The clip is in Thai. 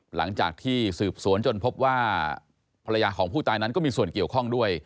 หลังจากที่สืบสวนจนพบว่าภรรยาของผู้ตายนั้นก็มีส่วนเกี่ยวข้องด้วย